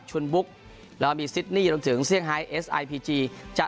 กับชุนบุ๊คแล้วมีซิดนี่ลงถึงเซี่ยงไฮไอเอสไอพีจีจะ